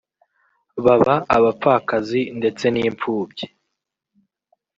baba abapfakazi ndetse n’imfubyi